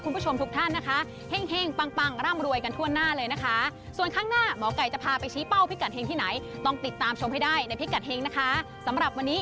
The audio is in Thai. คำถามและคำตอบบอกไปหมดแล้ว